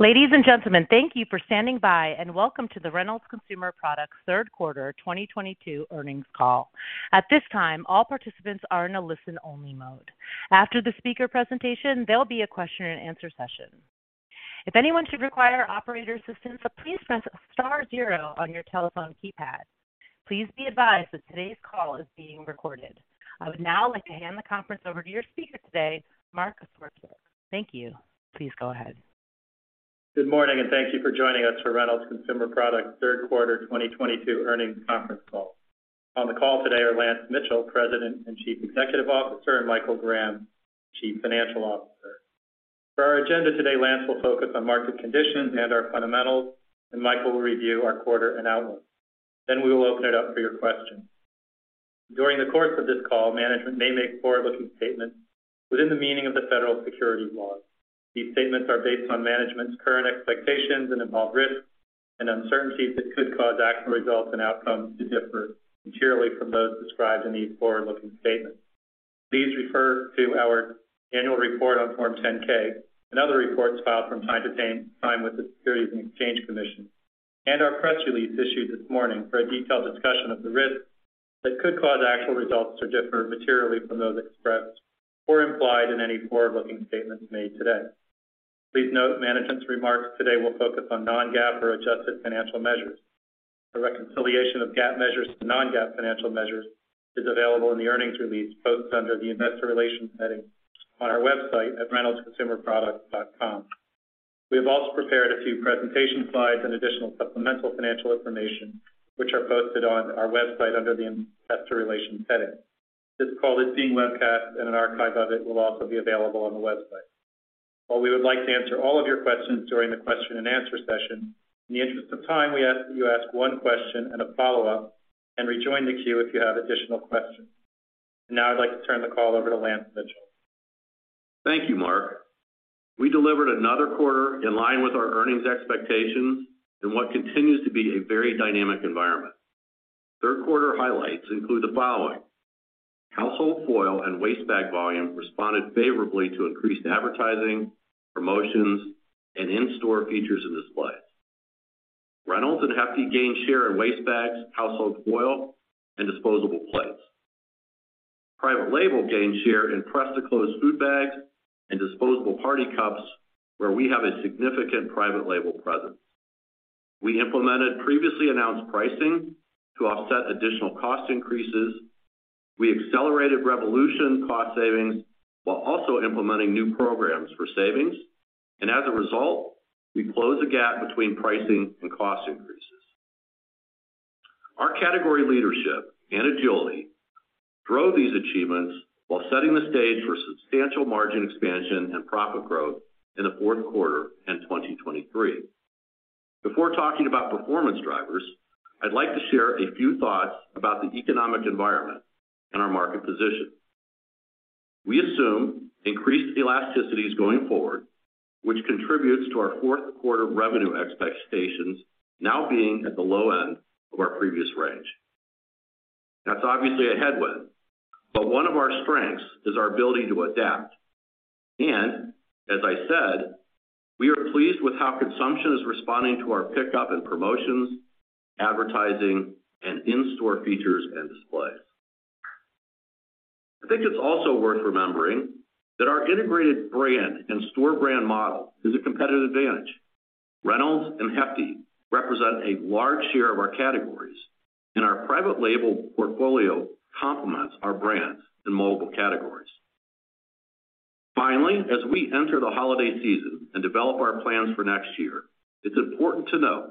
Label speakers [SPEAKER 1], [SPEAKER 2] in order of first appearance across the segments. [SPEAKER 1] Ladies and gentlemen, thank you for standing by and welcome to the Reynolds Consumer Products Q3 2022 earnings call. At this time, all participants are in a listen-only mode. After the speaker presentation, there'll be a question and answer session. If anyone should require operator assistance, please press star zero on your telephone keypad. Please be advised that today's call is being recorded. I would now like to hand the conference over to your speaker today, Mark Swartzberg. Thank you. Please go ahead.
[SPEAKER 2] Good morning, and thank you for joining us for Reynolds Consumer Products Q3 2022 earnings conference call. On the call today are Lance Mitchell, President and Chief Executive Officer, and Michael Graham, Chief Financial Officer. For our agenda today, Lance will focus on market conditions and our fundamentals, and Michael will review our quarter and outlook. Then we will open it up for your questions. During the course of this call, management may make forward-looking statements within the meaning of the federal securities laws. These statements are based on management's current expectations and involve risks and uncertainties that could cause actual results and outcomes to differ materially from those described in these forward-looking statements. Please refer to our annual report on Form 10-K and other reports filed from time to time with the Securities and Exchange Commission and our press release issued this morning for a detailed discussion of the risks that could cause actual results to differ materially from those expressed or implied in any forward-looking statements made today. Please note management's remarks today will focus on non-GAAP or adjusted financial measures. A reconciliation of GAAP measures to non-GAAP financial measures is available in the earnings release posted under the Investor Relations heading on our website at reynoldsconsumerproducts.com. We have also prepared a few presentation slides and additional supplemental financial information, which are posted on our website under the Investor Relations heading. This call is being webcast and an archive of it will also be available on the website. While we would like to answer all of your questions during the question and answer session, in the interest of time, we ask that you ask one question and a follow-up and rejoin the queue if you have additional questions. Now I'd like to turn the call over to Lance Mitchell.
[SPEAKER 3] Thank you, Mark. We delivered another quarter in line with our earnings expectations in what continues to be a very dynamic environment. Q3 highlights include the following. Household foil and waste bag volume responded favorably to increased advertising, promotions, and in-store features and displays. Reynolds and Hefty gained share in waste bags, household foil, and disposable plates. Private label gained share in press-to-close food bags and disposable party cups, where we have a significant private label presence. We implemented previously announced pricing to offset additional cost increases. We accelerated Revolution cost savings while also implementing new programs for savings. As a result, we closed the gap between pricing and cost increases. Our category leadership and agility drove these achievements while setting the stage for substantial margin expansions and profit growth in the Q4 and 2023. Before talking about performance drivers, I'd like to share a few thoughts about the economic environment and our market position. We assume increased elasticities going forward, which contributes to our Q4 revenue expectations now being at the low end of our previous range. That's obviously a headwind, but one of our strengths is our ability to adapt. As I said, we are pleased with how consumption is responding to our pickup in promotions, advertising, and in-store features and displays. I think it's also worth remembering that our integrated brand and store brand model is a competitive advantage. Reynolds and Hefty represent a large share of our categories, and our private label portfolio complements our brands in multiple categories. Finally, as we enter the holiday season and develop our plans for next year, it's important to note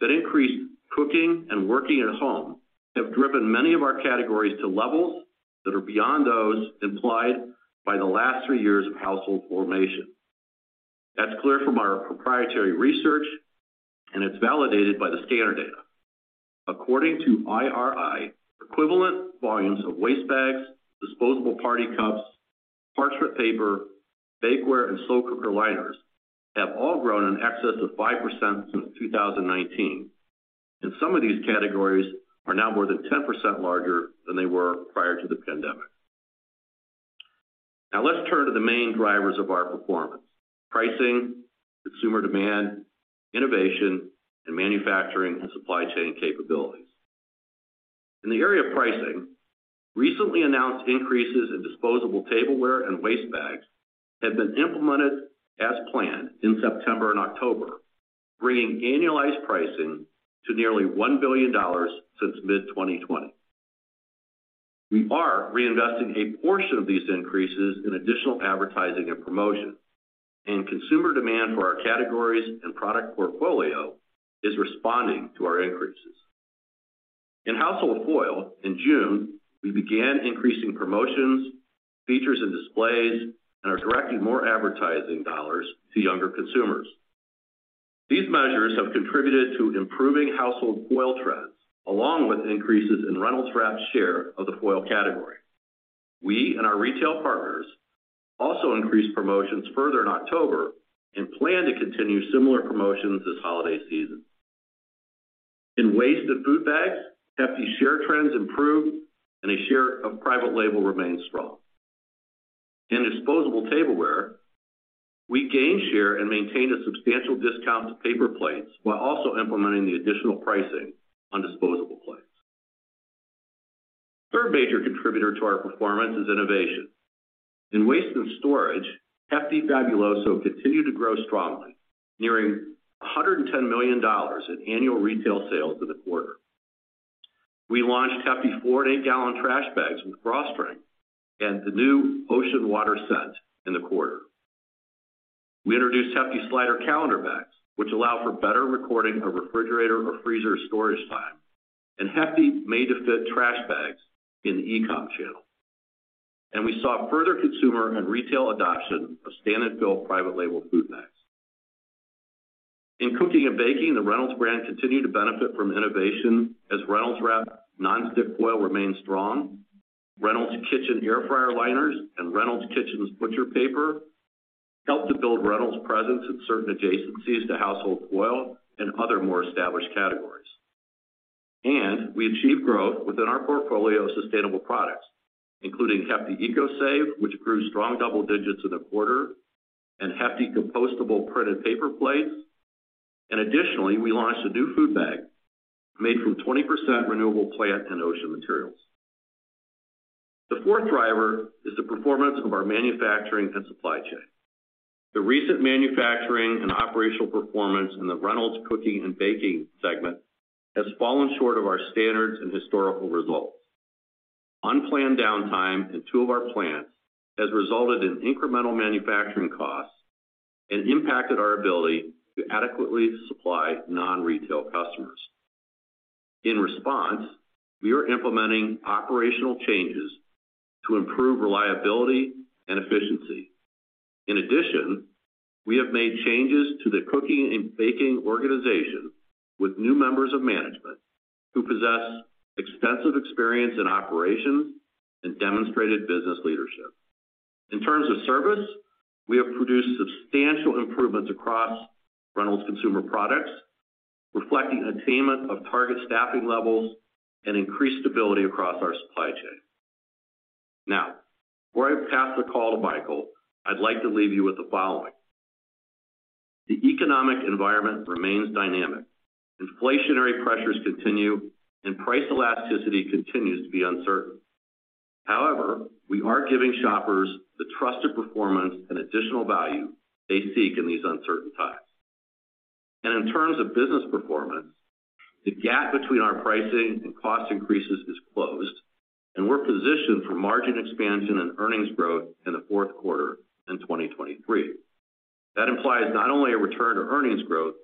[SPEAKER 3] that increased cooking and working at home have driven many of our categories to levels that are beyond those implied by the last three years of household formation. That's clear from our proprietary research, and it's validated by the scanner data. According to IRI, equivalent volumes of waste bags, disposable party cups, parchment paper, bakeware, and slow cooker liners have all grown in excess of 5% since 2019. Some of these categories are now more than 10% larger than they were prior to the pandemic. Now let's turn to the main drivers of our performance, pricing, consumer demand, innovation, and manufacturing and supply chain capabilities. In the area of pricing, recently announced increases in disposable tableware and waste bags have been implemented as planned in September and October, bringing annualized pricing to nearly $1 billion since mid-2020. We are reinvesting a portion of these increases in additional advertising and promotion, and consumer demand for our categories and product portfolio is responding to our increases. In household foil, in June, we began increasing promotions, features, and displays and are directing more advertising dollars to younger consumers. These measures have contributed to improving household foil trends, along with increases in Reynolds Wrap share of the foil category. We and our retail partners also increased promotions further in October and plan to continue similar promotions this holiday season. In waste and food bags, Hefty share trends improved and the share of private label remains strong. In disposable tableware, we gained share and maintained a substantial discount to paper plates while also implementing the additional pricing on disposable plates. Third major contributor to our performance is innovation. In waste and storage, Hefty Fabuloso continued to grow strongly, nearing $110 million in annual retail sales in the quarter. We launched Hefty 4- and 8-gallon trash bags with drawstrings and the new ocean water scent in the quarter. We introduced Hefty Slider Calendar Bags, which allow for better recording of refrigerator or freezer storage time, and Hefty made-to-fit trash bags in the e-com channel. We saw further consumer and retail adoption of standard fill private label food bags. In cooking and baking, the Reynolds brand continued to benefit from innovation as Reynolds Wrap Non-Stick Foil remained strong. Reynolds Kitchens Air Fryer Liners and Reynolds Kitchens Butcher Paper helped to build Reynolds presence in certain adjacencies to household foil and other more established categories. We achieved growth within our portfolio of sustainable products, including Hefty ECOSAVE, which grew strong double digits in the quarter, and Hefty Compostable Printed Paper Plates. Additionally, we launched a new food bag made from 20% renewable plant and ocean materials. The fourth driver is the performance of our manufacturing and supply chain. The recent manufacturing and operational performance in the Reynolds Cooking & Baking segment has fallen short of our standards and historical results. Unplanned downtime in two of our plants has resulted in incremental manufacturing costs and impacted our ability to adequately supply non-retail customers. In response, we are implementing operational changes to improve reliability and efficiency. In addition, we have made changes to the Cooking and Baking organization with new members of management who possess extensive experience in operations and demonstrated business leadership. In terms of service, we have produced substantial improvements across Reynolds Consumer Products, reflecting attainment of target staffing levels and increased stability across our supply chain. Now, before I pass the call to Michael, I'd like to leave you with the following. The economic environment remains dynamic. Inflationary pressures continue, and price elasticity continues to be uncertain. However, we are giving shoppers the trusted performance and additional value they seek in these uncertain times. In terms of business performance, the gap between our pricing and cost increases is closed, and we're positioned for margin expansion and earnings growth in the Q4 in 2023. That implies not only a return to earnings growth,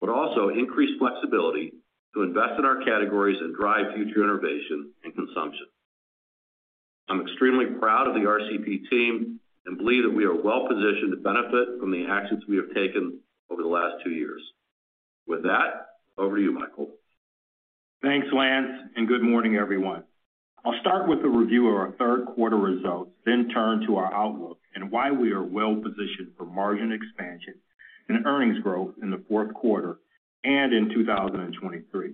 [SPEAKER 3] but also increased flexibility to invest in our categories and drive future innovation and consumption. I'm extremely proud of the RCP team and believe that we are well-positioned to benefit from the actions we have taken over the last two years. With that, over to you, Michael.
[SPEAKER 4] Thanks, Lance, and good morning, everyone. I'll start with a review of our Q3 results, then turn to our outlook and why we are well-positioned for margin expansion and earnings growth in the Q4 and in 2023.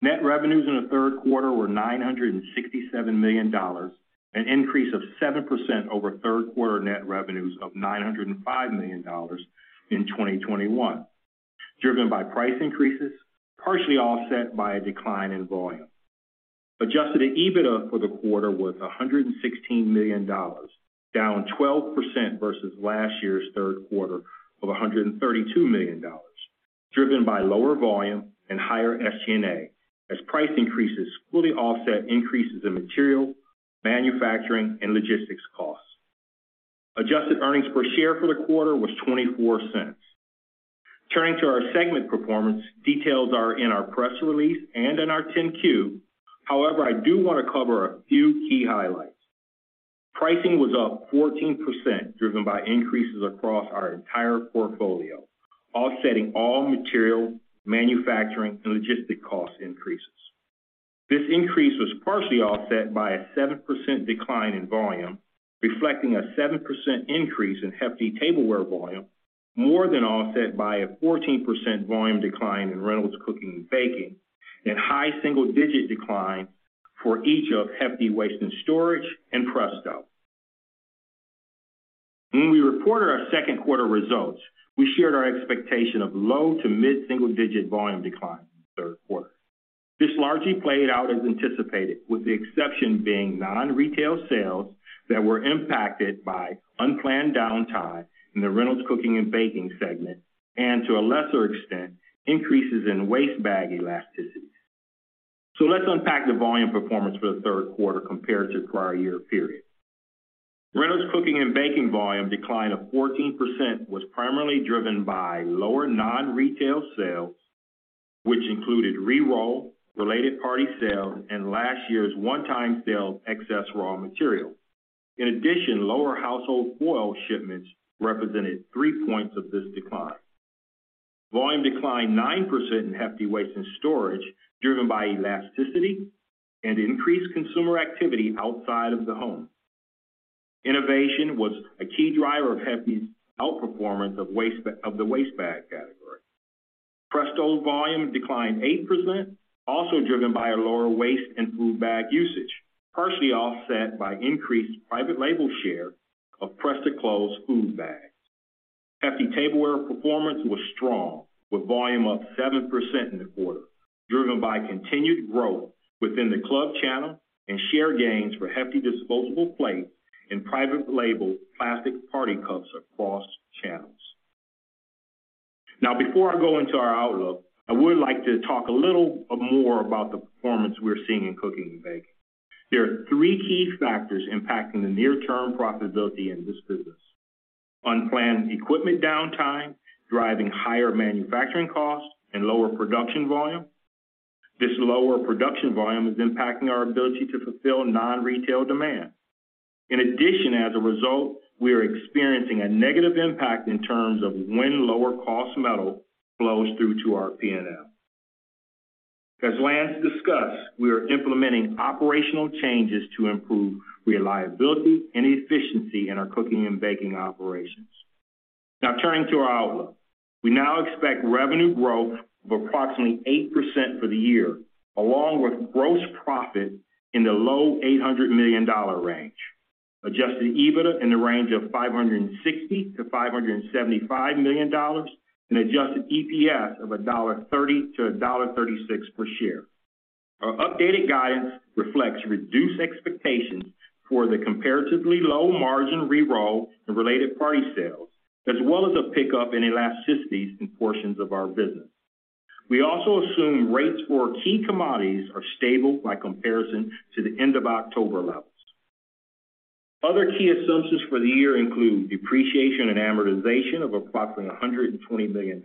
[SPEAKER 4] Net revenues in the Q3 were $967 million, an increase of 7% over Q3 net revenues of $905 million in 2021, driven by price increases, partially offset by a decline in volume. Adjusted EBITDA for the quarter was $116 million, down 12% versus last year's Q3 of $132 million, driven by lower volume and higher SG&A, as price increases fully offset increases in material, manufacturing, and logistics costs. Adjusted earnings per share for the quarter was $0.24. Turning to our segment performance, details are in our press release and in our 10-Q. However, I do want to cover a few key highlights. Pricing was up 14%, driven by increases across our entire portfolio, offsetting all material, manufacturing, and logistic cost increases. This increase was partially offset by a 7% decline in volume, reflecting a 7% increase in Hefty Tableware volume, more than offset by a 14% volume decline in Reynolds Cooking & Baking and high single-digit decline for each of Hefty Waste & Storage and Presto. When we reported our second-quarter results, we shared our expectation of low- to mid-single-digit volume decline in the Q3. This largely played out as anticipated, with the exception being non-retail sales that were impacted by unplanned downtime in the Reynolds Cooking & Baking segment and, to a lesser extent, increases in waste bag elasticity. Let's unpack the volume performance for the Q3 compared to prior year period. Reynolds Cooking & Baking volume decline of 14% was primarily driven by lower non-retail sales, which included re-roll, related party sales, and last year's one-time sale excess raw material. In addition, lower household foil shipments represented three points of this decline. Volume declined 9% in Hefty Waste & Storage, driven by elasticity and increased consumer activity outside of the home. Innovation was a key driver of Hefty's outperformance of the waste bag category. Presto volume declined 8%, also driven by a lower waste and food bag usage, partially offset by increased private label share of press-to-close food bags. Hefty Tableware performance was strong, with volume up 7% in the quarter, driven by continued growth within the club channel and share gains for Hefty disposable plates and private label plastic party cups across channels. Now, before I go into our outlook, I would like to talk a little more about the performance we're seeing in Cooking and Baking. There are three key factors impacting the near-term profitability in this business. Unplanned equipment downtime, driving higher manufacturing costs and lower production volume. This lower production volume is impacting our ability to fulfill non-retail demand. In addition, as a result, we are experiencing a negative impact in terms of when lower cost metal flows through to our P&L. As Lance discussed, we are implementing operational changes to improve reliability and efficiency in our Cooking and Baking operations. Now turning to our outlook. We now expect revenue growth of approximately 8% for the year, along with gross profit in the low $800 million range, adjusted EBITDA in the range of $560 million-$575 million, and adjusted EPS of $1.30-$1.36 per share. Our updated guidance reflects reduced expectations for the comparatively low-margin retail and related party sales, as well as a pickup in elasticities in portions of our business. We also assume rates for key commodities are stable by comparison to the end of October levels. Other key assumptions for the year include depreciation and amortization of approximately $120 million,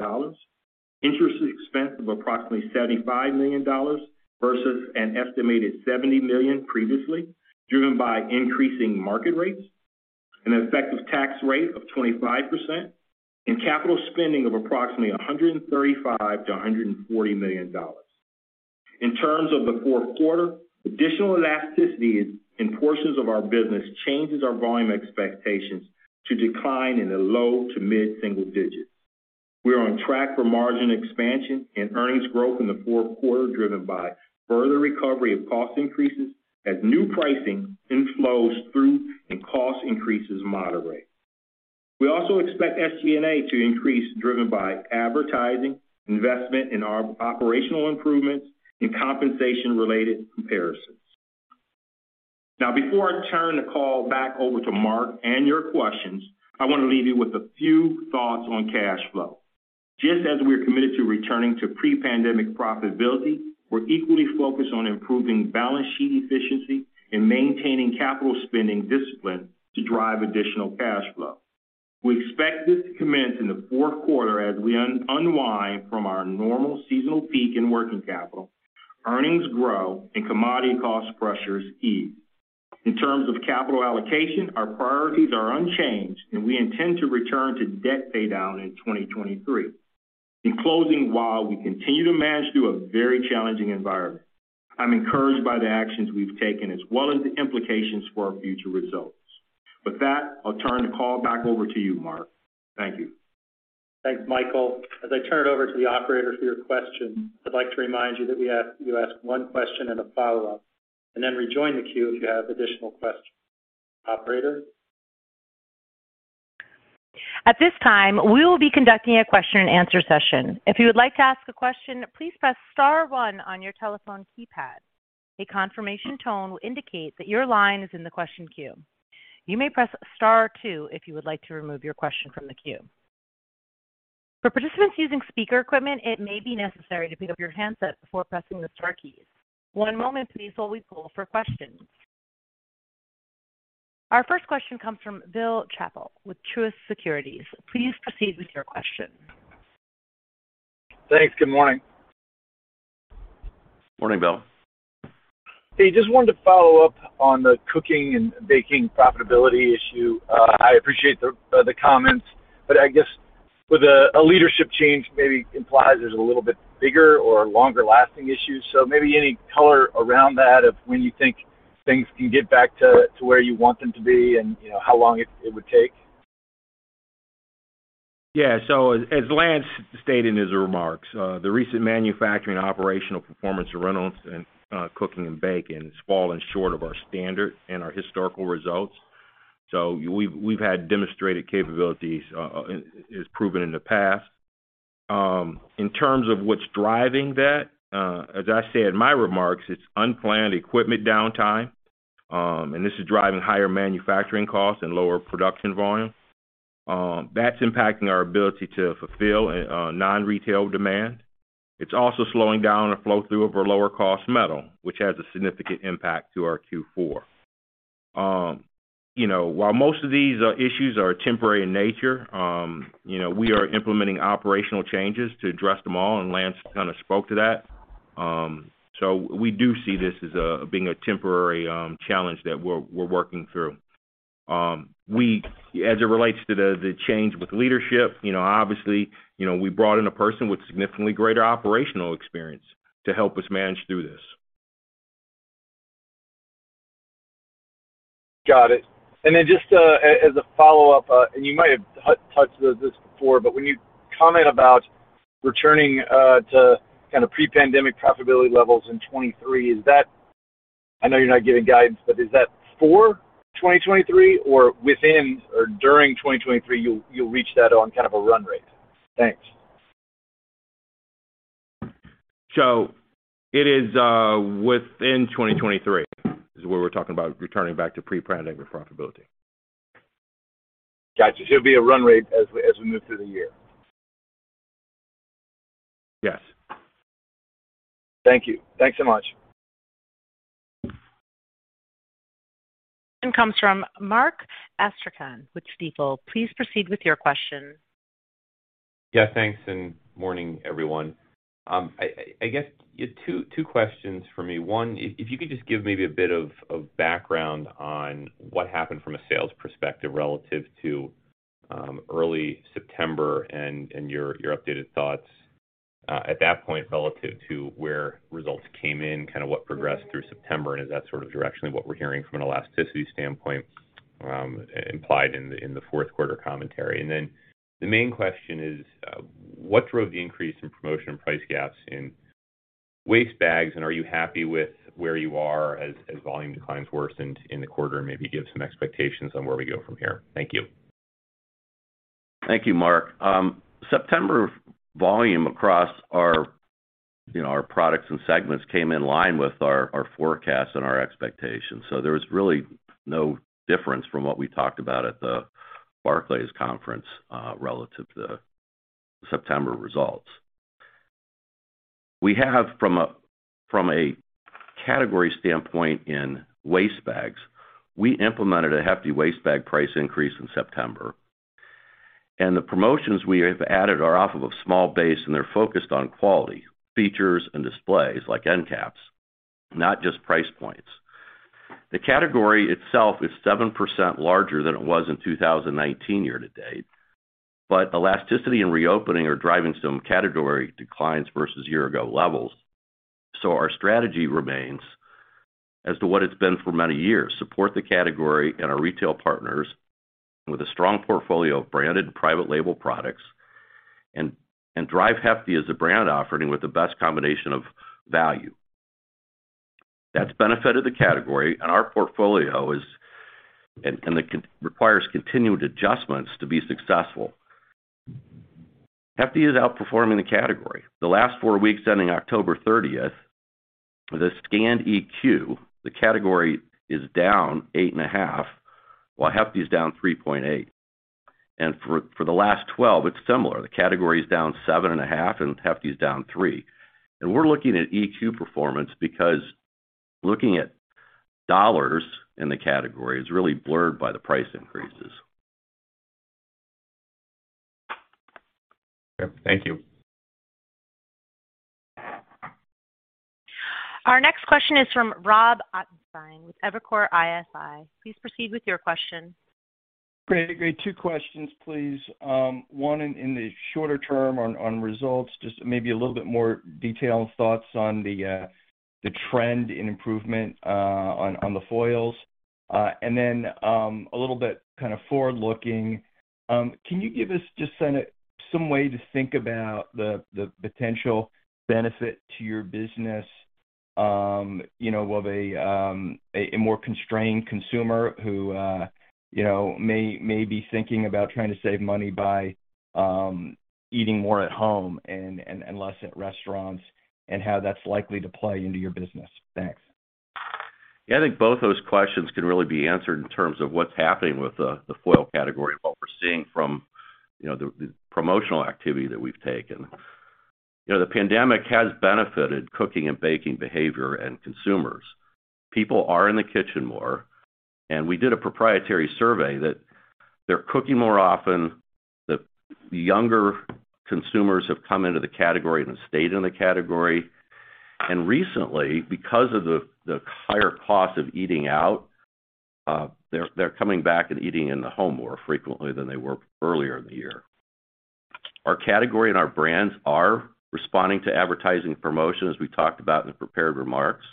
[SPEAKER 4] interest expense of approximately $75 million versus an estimated $70 million previously, driven by increasing market rates, an effective tax rate of 25%, and capital spending of approximately $135 million-$140 million. In terms of the Q4, additional elasticity in portions of our business changes our volume expectations to decline in the low- to mid-single digits. We are on track for margin expansion and earnings growth in the Q4, driven by further recovery of cost increases as new pricing flows through and cost increases moderate. We also expect SG&A to increase, driven by advertising, investment in our operational improvements, and compensation-related comparisons. Now, before I turn the call back over to Mark and your questions, I want to leave you with a few thoughts on cash flow. Just as we are committed to returning to pre-pandemic profitability, we're equally focused on improving balance sheet efficiency and maintaining capital spending discipline to drive additional cash flow. We expect this to commence in the Q4 as we unwind from our normal seasonal peak in working capital, earnings grow, and commodity cost pressures ease. In terms of capital allocation, our priorities are unchanged, and we intend to return to debt paydown in 2023. In closing, while we continue to manage through a very challenging environment, I'm encouraged by the actions we've taken as well as the implications for our future results. With that, I'll turn the call back over to you, Mark. Thank you.
[SPEAKER 2] Thanks, Michael. As I turn it over to the operator for your questions, I'd like to remind you that you ask one question and a follow-up, and then rejoin the queue if you have additional questions. Operator?
[SPEAKER 1] At this time, we will be conducting a question and answer session. If you would like to ask a question, please press star one on your telephone keypad. A confirmation tone will indicate that your line is in the question queue. You may press star two if you would like to remove your question from the queue. For participants using speaker equipment, it may be necessary to pick up your handset before pressing the star keys. One moment please while we poll for questions. Our first question comes from Bill Chappell with Truist Securities. Please proceed with your question.
[SPEAKER 5] Thanks. Good morning.
[SPEAKER 4] Morning, Bill.
[SPEAKER 5] Hey, just wanted to follow up on the Cooking & Baking profitability issue. I appreciate the comments, but I guess with a leadership change maybe implies there's a little bit bigger or longer-lasting issues. Maybe any color around that of when you think things can get back to where you want them to be and, you know, how long it would take.
[SPEAKER 4] Yeah. As Lance stated in his remarks, the recent manufacturing operational performance of Reynolds in Cooking & Baking has fallen short of our standard and our historical results. We've had demonstrated capabilities as proven in the past. In terms of what's driving that, as I said in my remarks, it's unplanned equipment downtime, and this is driving higher manufacturing costs and lower production volume. That's impacting our ability to fulfill non-retail demand. It's also slowing down the flow-through of our lower cost metal, which has a significant impact to our Q4. You know, while most of these issues are temporary in nature, you know, we are implementing operational changes to address them all, and Lance kind of spoke to that. We do see this as being a temporary challenge that we're working through. As it relates to the change with leadership, you know, obviously, you know, we brought in a person with significantly greater operational experience to help us manage through this.
[SPEAKER 5] Got it. Just as a follow-up, and you might have touched this before, but when you comment about returning to kind of pre-pandemic profitability levels in 2023, is that, I know you're not giving guidance, but is that for 2023 or within or during 2023 you'll reach that on kind of a run rate? Thanks.
[SPEAKER 3] It is within 2023 is where we're talking about returning back to pre-pandemic profitability.
[SPEAKER 5] Gotcha. It'll be a run rate as we move through the year.
[SPEAKER 3] Yes.
[SPEAKER 5] Thank you. Thanks so much.
[SPEAKER 1] Next comes from Mark Astrachan with Stifel. Please proceed with your question.
[SPEAKER 6] Yeah, thanks, and morning, everyone. I guess, two questions from me. One, if you could just give maybe a bit of background on what happened from a sales perspective relative to early September and your updated thoughts at that point relative to where results came in, kind of what progressed through September, and is that sort of direction of what we're hearing from an elasticity standpoint implied in the Q4 commentary? And then the main question is, what drove the increase in promotion and price gaps in waste bags, and are you happy with where you are as volume declines worsened in the quarter? And maybe give some expectations on where we go from here. Thank you.
[SPEAKER 3] Thank you, Mark. September volume across our, you know, our products and segments came in line with our forecast and our expectations. There was really no difference from what we talked about at the Barclays conference, relative to September results. We have from a category standpoint in waste bags, we implemented a Hefty waste bag price increase in September. The promotions we have added are off of a small base, and they're focused on quality, features, and displays like end caps, not just price points. The category itself is 7% larger than it was in 2019 year to date, but elasticity and reopening are driving some category declines versus year ago levels. Our strategy remains as to what it's been for many years: support the category and our retail partners with a strong portfolio of branded and private label products and drive Hefty as a brand offering with the best combination of value. That's benefited the category, and our portfolio requires continued adjustments to be successful. Hefty is outperforming the category. The last four weeks, ending October thirtieth, the scanned EQ, the category is down 8.5%, while Hefty is down 3.8%. For the last 12, it's similar. The category is down 7.5%, and Hefty is down 3%. We're looking at EQ performance because looking at dollars in the category is really blurred by the price icreases.
[SPEAKER 6] Okay, thank you.
[SPEAKER 1] Our next question is from Robert Ottenstein with Evercore ISI. Please proceed with your question.
[SPEAKER 7] Great, great. Two questions, please. One in the shorter term on results, just maybe a little bit more detailed thoughts on the trend in improvement on the foils. And then, a little bit kind of forward-looking, can you give us just some way to think about the potential benefit to your business, you know, of a more constrained consumer who, you know, may be thinking about trying to save money by eating more at home and less at restaurants, and how that's likely to play into your business? Thanks.
[SPEAKER 3] Yeah, I think both those questions can really be answered in terms of what's happening with the foil category and what we're seeing from, you know, the promotional activity that we've taken. You know, the pandemic has benefited cooking and baking behavior and consumers. People are in the kitchen more. We did a proprietary survey that they're cooking more often. The younger consumers have come into the category and stayed in the category. Recently, because of the higher cost of eating out, they're coming back and eating in the home more frequently than they were earlier in the year. Our category and our brands are responding to advertising promotion, as we talked about in the prepared remarks.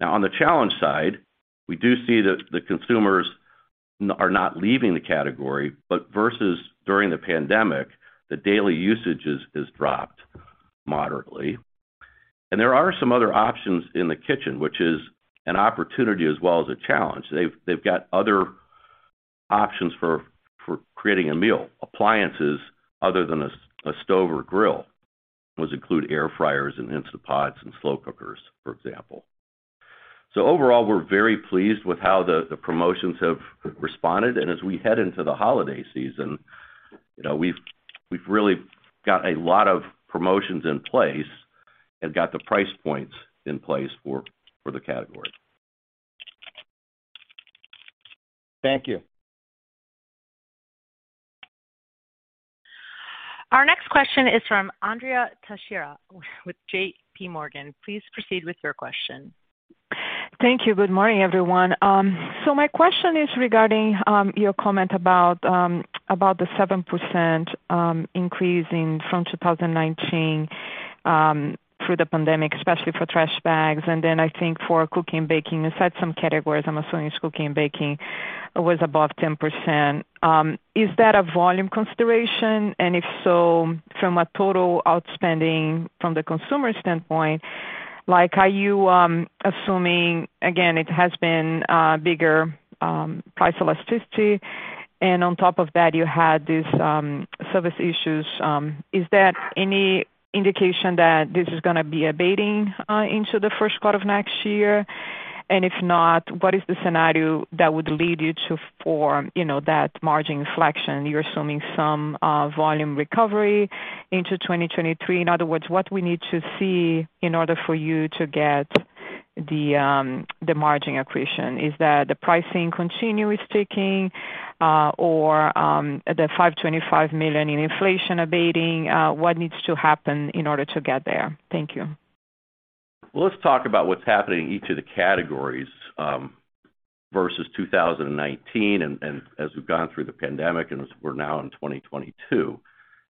[SPEAKER 3] Now, on the challenge side, we do see that the consumers are not leaving the category, but versus during the pandemic, the daily usage is dropped moderately. There are some other options in the kitchen, which is an opportunity as well as a challenge. They've got other options for creating a meal. Appliances other than a stove or grill. Those include air fryers and Instant Pot and slow cookers, for example. Overall, we're very pleased with how the promotions have responded. As we head into the holiday season, you know, we've really got a lot of promotions in place and got the price points in place for the category.
[SPEAKER 7] Thank you.
[SPEAKER 1] Our next question is from Andrea Teixeira with JPMorgan. Please proceed with your question.
[SPEAKER 8] Thank you. Good morning, everyone. My question is regarding your comment about the 7% increase from 2019 through the pandemic, especially for trash bags, and then I think for cooking and baking. You said some categories, I'm assuming it's cooking and baking, was above 10%. Is that a volume consideration? And if so, from a total outspending from the consumer standpoint, like are you assuming again it has been a bigger price elasticity and on top of that you had these service issues. Is there any indication that this is gonna be abating into the Q1 of next year? And if not, what is the scenario that would lead you to form, you know, that margin inflection? You're assuming some volume recovery into 2023. In other words, what we need to see in order for you to get the margin accretion? Is that the pricing continuously ticking, or the $525 million in inflation abating? What needs to happen in order to get there? Thank you.
[SPEAKER 3] Well, let's talk about what's happening in each of the categories versus 2019 and as we've gone through the pandemic, and as we're now in 2022.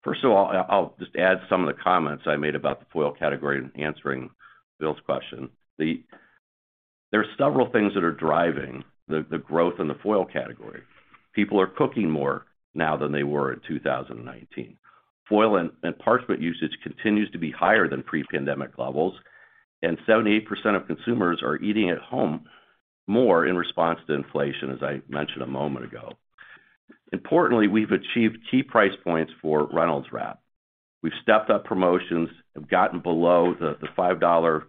[SPEAKER 3] First of all, I'll just add some of the comments I made about the foil category in answering Bill's question. There are several things that are driving the growth in the foil category. People are cooking more now than they were in 2019. Foil and parchment usage continues to be higher than pre-pandemic levels, and 78% of consumers are eating at home more in response to inflation, as I mentioned a moment ago. Importantly, we've achieved key price points for Reynolds Wrap. We've stepped up promotions, have gotten below the $5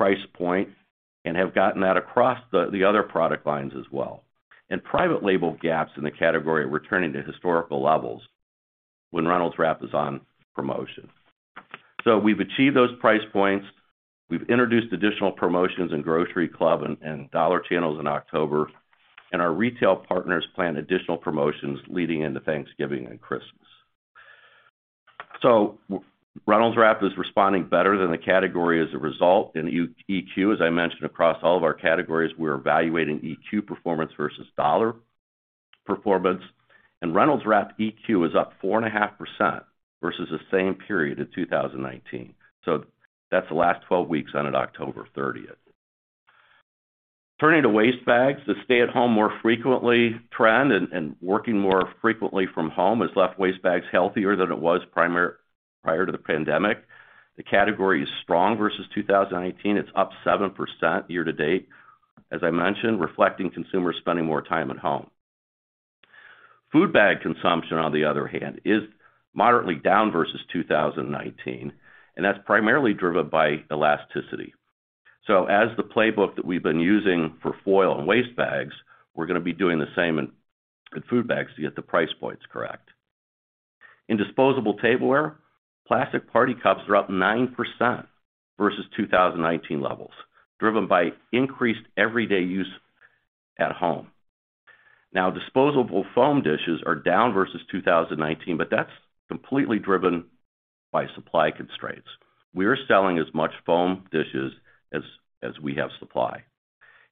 [SPEAKER 3] price point, and have gotten that across the other product lines as well. Private label gaps in the category are returning to historical levels when Reynolds Wrap is on promotion. We've achieved those price points, we've introduced additional promotions in grocery club and dollar channels in October, and our retail partners plan additional promotions leading into Thanksgiving and Christmas. Reynolds Wrap is responding better than the category as a result. In EQ, as I mentioned, across all of our categories, we're evaluating EQ performance versus dollar performance. Reynolds Wrap EQ is up 4.5% versus the same period in 2019. That's the last 12 weeks ended October 30. Turning to waste bags. The stay-at-home more frequently trend and working more frequently from home has left waste bags healthier than it was prior to the pandemic. The category is strong versus 2018. It's up 7% year to date, as I mentioned, reflecting consumers spending more time at home. Food bag consumption, on the other hand, is moderately down versus 2019, and that's primarily driven by elasticity. As the playbook that we've been using for foil and waste bags, we're gonna be doing the same in food bags to get the price points correct. In disposable tableware, plastic party cups are up 9% versus 2019 levels, driven by increased everyday use at home. Now, disposable foam dishes are down versus 2019, but that's completely driven by supply constraints. We are selling as much foam dishes as we have supply.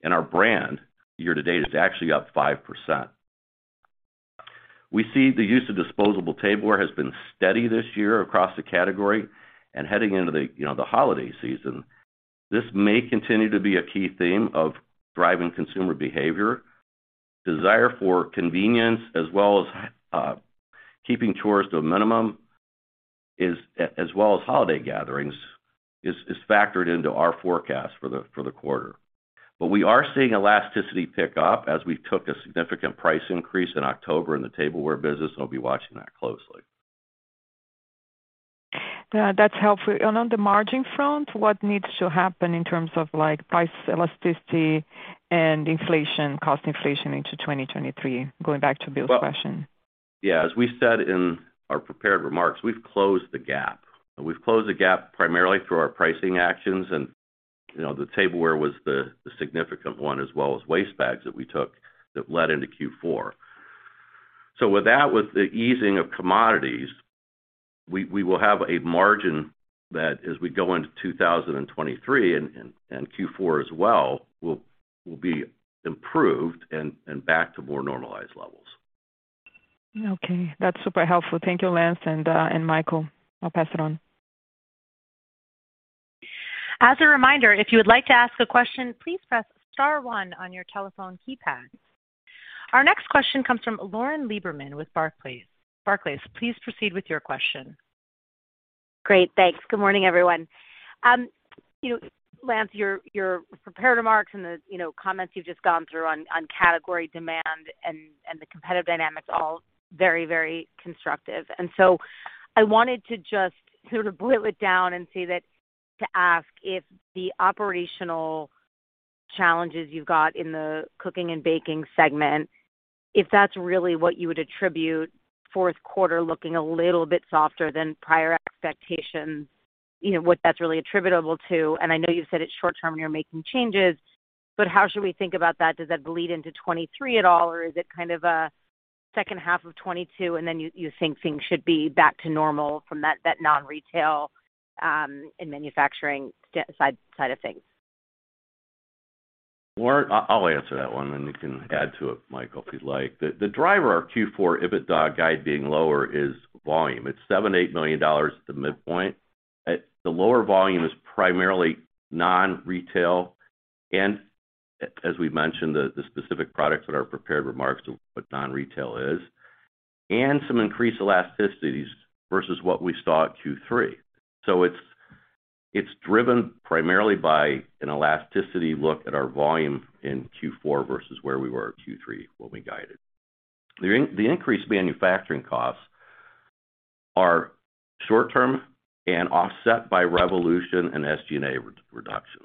[SPEAKER 3] Our brand year to date is actually up 5%. We see the use of disposable tableware has been steady this year across the category and heading into the, you know, the holiday season. This may continue to be a key theme of driving consumer behavior. Desire for convenience as well as keeping chores to a minimum as well as holiday gatherings is factored into our forecast for the quarter. We are seeing elasticity pick up as we took a significant price increase in October in the tableware business. We'll be watching that closely.
[SPEAKER 8] That's helpful. On the margin front, what needs to happen in terms of like price elasticity and inflation, cost inflation into 2023? Going back to Bill's question.
[SPEAKER 3] Well, yeah, as we said in our prepared remarks, we've closed the gap. We've closed the gap primarily through our pricing actions and, you know, the tableware was the significant one as well as waste bags that we took that led into Q4. With that, with the easing of commodities, we will have a margin that, as we go into 2023 and Q4 as well, will be improved and back to more normalized levels.
[SPEAKER 8] Okay. That's super helpful. Thank you, Lance and Michael. I'll pass it on.
[SPEAKER 1] As a reminder, if you would like to ask a question, please press star one on your telephone keypad. Our next question comes from Lauren Lieberman with Barclays. Barclays, please proceed with your question.
[SPEAKER 9] Great. Thanks. Good morning, everyone. You, Lance, your prepared remarks and the, you know, comments you've just gone through on category demand and the competitive dynamics all very, very constructive. I wanted to just sort of boil it down and see that, to ask if the operational challenges you've got in the cooking and baking segment, if that's really what you would attribute Q4 looking a little bit softer than prior expectations, you know, what that's really attributable to and I know you've said it's short term and you're making changes, but how should we think about that? Does that bleed into 2023 at all or is it kind of a H2 of 2022, and then you think things should be back to normal from that non-retail and manufacturing side of things.
[SPEAKER 3] Lauren, I'll answer that one, and you can add to it, Michael, if you'd like. The driver of Q4 EBITDA guide being lower is volume. It's $7-$8 million at the midpoint. The lower volume is primarily non-retail and as we've mentioned, the specific products in our prepared remarks of what non-retail is, and some increased elasticities versus what we saw at Q3. It's driven primarily by an elasticity look at our volume in Q4 versus where we were at Q3 when we guided. The increased manufacturing costs are short term and offset by Revolution and SG&A reductions.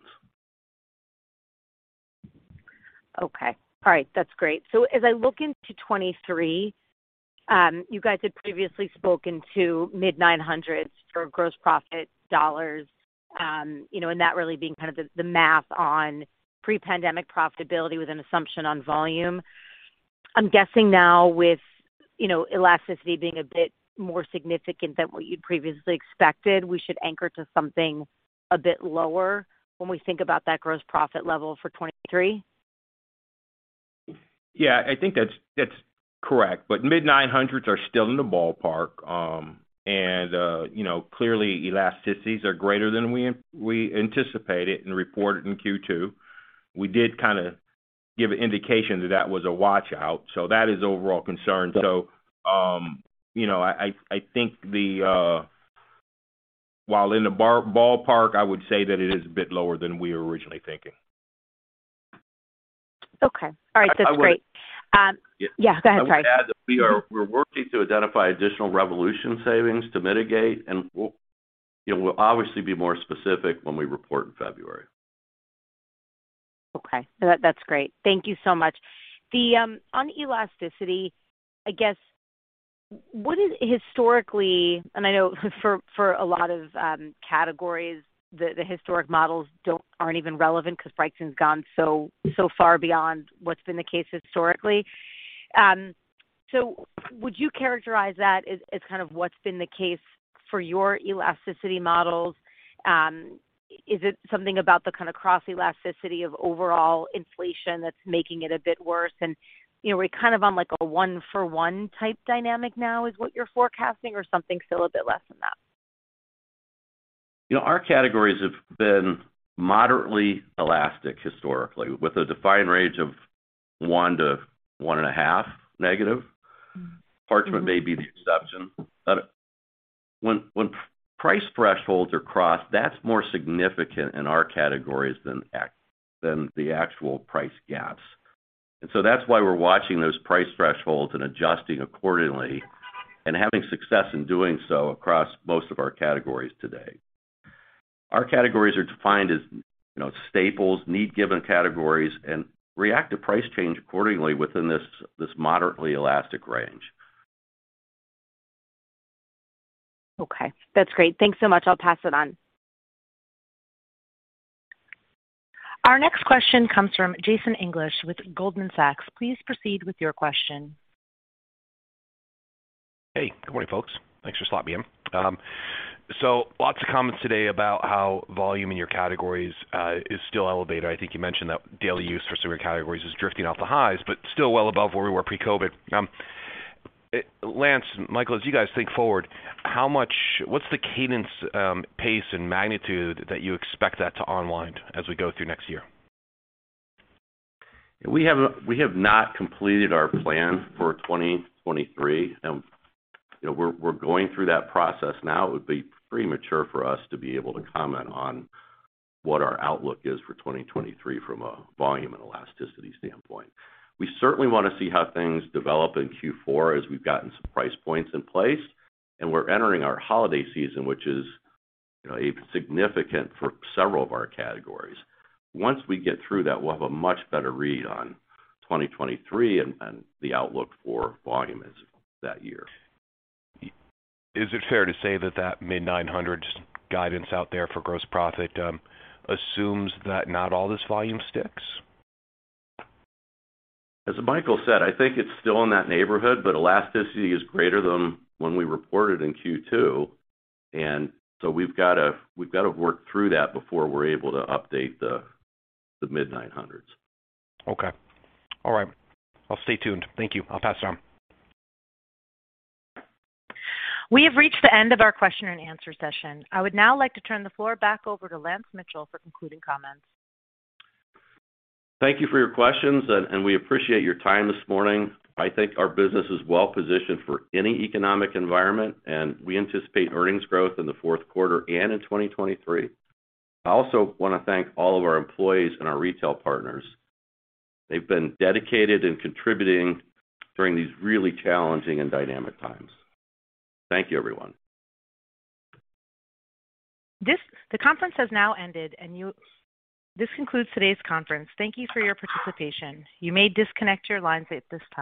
[SPEAKER 9] Okay. All right. That's great. As I look into 2023, you guys had previously spoken to mid-$900s for gross profit dollars, you know, and that really being kind of the math on pre-pandemic profitability with an assumption on volume. I'm guessing now with, you know, elasticity being a bit more significant than what you'd previously expected, we should anchor to something a bit lower when we think about that gross profit level for 2023?
[SPEAKER 4] Yeah, I think that's correct. Mid-900s are still in the ballpark, and clearly elasticities are greater than we anticipated and reported in Q2. We did kinda give an indication that was a watch-out, so that is overall a concern. While in the ballpark, I would say that it is a bit lower than we were originally thinking.
[SPEAKER 9] Okay. All right. That's great.
[SPEAKER 3] I would-
[SPEAKER 9] Yeah, go ahead. Sorry.
[SPEAKER 3] I would add that we're working to identify additional Revolution savings to mitigate and we'll, you know, we'll obviously be more specific when we report in February.
[SPEAKER 9] That's great. Thank you so much. On elasticity, I guess what is historically, and I know for a lot of categories, the historic models aren't even relevant because pricing's gone so far beyond what's been the case historically. So would you characterize that as kind of what's been the case for your elasticity models? Is it something about the kinda cross-elasticity of overall inflation that's making it a bit worse? You know, are we kind of on like a one-for-one type dynamic now is what you're forecasting or something still a bit less than that?
[SPEAKER 3] You know, our categories have been moderately elastic historically, with a defined range of -1 to -1.5. Parts of it may be the exception. When price thresholds are crossed, that's more significant in our categories than the actual price gaps. That's why we're watching those price thresholds and adjusting accordingly and having success in doing so across most of our categories today. Our categories are defined as, you know, staples, need-driven categories, and react to price change accordingly within this moderately elastic range.
[SPEAKER 9] Okay. That's great. Thanks so much. I'll pass it on.
[SPEAKER 1] Our next question comes from Jason English with Goldman Sachs. Please proceed with your question.
[SPEAKER 10] Hey, good morning, folks. Thanks for the slot, BM. Lots of comments today about how volume in your categories is still elevated. I think you mentioned that daily use for certain categories is drifting off the highs, but still well above where we were pre-COVID. Lance, Michael, as you guys think forward, what's the cadence, pace, and magnitude that you expect that to unwind as we go through next year?
[SPEAKER 3] We have not completed our plan for 2023. You know, we're going through that process now. It would be premature for us to be able to comment on what our outlook is for 2023 from a volume and elasticity standpoint. We certainly wanna see how things develop in Q4 as we've gotten some price points in place, and we're entering our holiday season, which you know is a significant for several of our categories. Once we get through that, we'll have a much better read on 2023 and the outlook for volume as of that year.
[SPEAKER 10] Is it fair to say that mid-900 guidance out there for gross profit assumes that not all this volume sticks?
[SPEAKER 3] As Michael said, I think it's still in that neighborhood, but elasticity is greater than when we reported in Q2, and so we've gotta work through that before we're able to update the mid-900s.
[SPEAKER 10] Okay. All right. I'll stay tuned. Thank you. I'll pass it on.
[SPEAKER 1] We have reached the end of our question and answer session. I would now like to turn the floor back over to Lance Mitchell for concluding comments.
[SPEAKER 3] Thank you for your questions, and we appreciate your time this morning. I think our business is well positioned for any economic environment, and we anticipate earnings growth in the Q4 and in 2023. I also wanna thank all of our employees and our retail partners. They've been dedicated in contributing during these really challenging and dynamic times. Thank you, everyone.
[SPEAKER 1] The conference has now ended. This concludes today's conference. Thank you for your participation. You may disconnect your lines at this time.